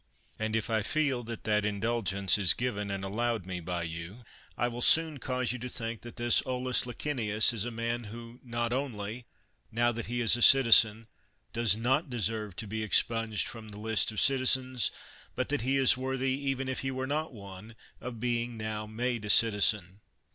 And if I feel that that indulgence is given and allowed me by you, I will soon cause you to think that this Aulus Licinius is a man who not only, now that he is a citizen, does not deserve to be expunged from the list of citizens, but that he is worthy, even if he were not one, of being now made a citizen.